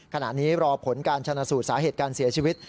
ขณะนี้รอผลการชนะสูตรสาเหตุการเสียชีวิต